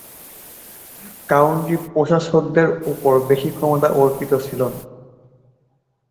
County প্রশাসকদের উপর বেশি ক্ষমতা অর্পিত ছিলনা।